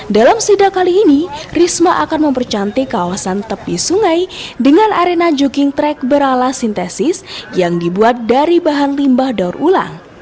dalam sidak kali ini risma akan mempercantik kawasan tepi sungai dengan arena jogging track berala sintesis yang dibuat dari bahan limbah daur ulang